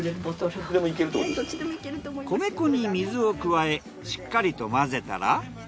米粉に水を加えしっかりと混ぜたら。